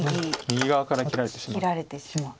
右側から切られてしまう。